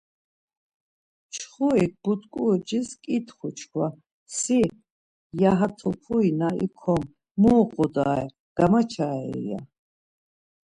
Mçxurik but̆ǩucis ǩitxu çkva, Si, ya, ha topri na ikom, mu oğodare, gamaçarei? ya.